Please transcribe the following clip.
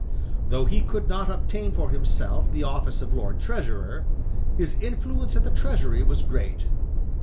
Though he could not obtain for himself the office of Lord Treasurer, his influence at the Treasury was great.